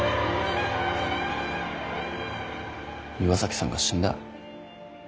岩崎さんが死んだ？